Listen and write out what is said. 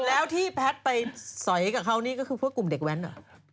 แล้วที่แพทย์ไปสอยกับเขานี่ก็คือพวกกลุ่มเด็กแว้นเหรอ